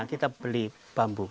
kita beli bambu